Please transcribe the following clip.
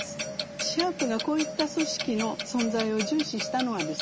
シャープがこういった組織の存在を重視したのはですね